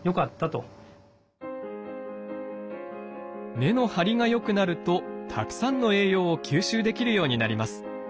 根の張りが良くなるとたくさんの栄養を吸収できるようになります。